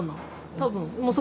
多分。